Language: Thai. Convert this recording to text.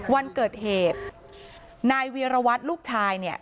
วันเกิดเหตุนายเวียรวัตรลูกชายเนี่ย